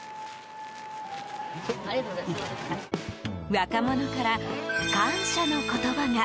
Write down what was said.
若者から感謝の言葉が。